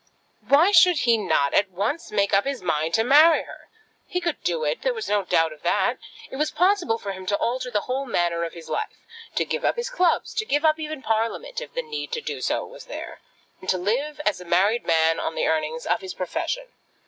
Why should he not at once make up his mind to marry her? He could do it. There was no doubt of that. It was possible for him to alter the whole manner of his life, to give up his clubs, to give up even Parliament, if the need to do so was there, and to live as a married man on the earnings of his profession.